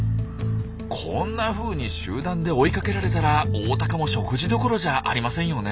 こんなふうに集団で追いかけられたらオオタカも食事どころじゃありませんよね。